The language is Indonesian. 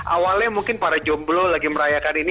awalnya mungkin para jomblo lagi merayakan ini